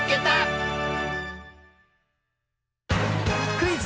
クイズ